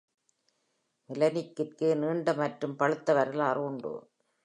Mielnikகிற்கு நீண்ட மற்றும் பழுத்த வரலாறு உண்டு.